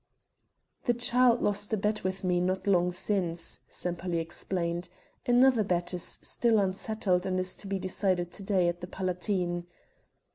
"The child lost a bet with me not long since," Sempaly explained. "Another bet is still unsettled and is to be decided to day at the Palatine."